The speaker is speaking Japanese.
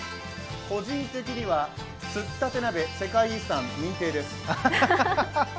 個人的にはすったて鍋、世界遺産認定です。